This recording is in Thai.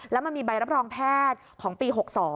แล้วมันมีใบรับรองแพทย์ของปี๖๒